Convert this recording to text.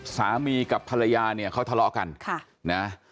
สามีกับภรรยาเนี่ยเขาทะเลาะกันค่ะนะ